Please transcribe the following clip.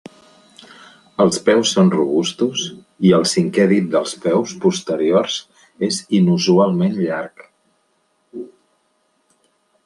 Els peus són robustos i el cinquè dit dels peus posteriors és inusualment llarg.